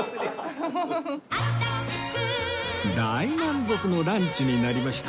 大満足のランチになりました